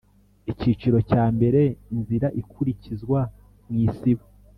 Icyiciro cya mbere Inzira ikurikizwa mwisibo